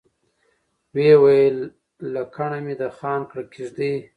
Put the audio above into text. وويل يې لکڼه مې د خان کړه کېږدئ.